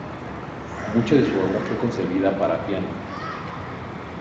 Mucha de su obra fue concebida para piano.